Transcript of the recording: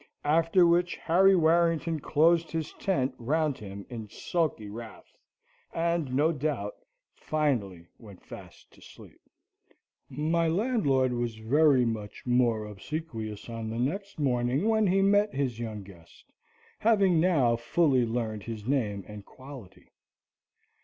After which Harry Warrington closed his tent round him in sulky wrath, and, no doubt, finally went fast to sleep. My landlord was very much more obsequious on the next morning when he met his young guest, having now fully learned his name and quality.